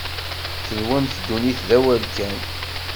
Tenwamt ddunit d awal kan.